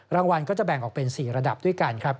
รางวัลก็จะแบ่งออกเป็น๔ระดับด้วยกันครับ